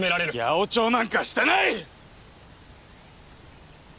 八百長なんかしてない！